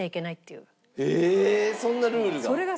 そんなルールが。